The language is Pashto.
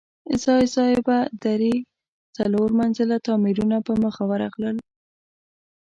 ځای ځای به درې، څلور منزله تاميرونه په مخه ورغلل.